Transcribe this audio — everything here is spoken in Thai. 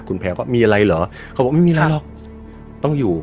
คุณแพลวก็มีอะไรเหรอเขาบอกไม่มีอะไรหรอกต้องอยู่